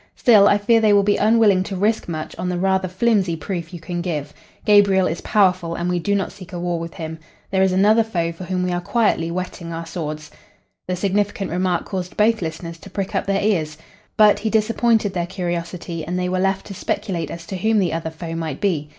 Still, I fear they will be unwilling to risk much on the rather flimsy proof you can give. Gabriel is powerful and we do not seek a war with him. There is another foe for whom we are quietly whetting our swords." The significant remark caused both listeners to prick up their ears. But he disappointed, their curiosity, and they were left to speculate as to whom the other foe might be.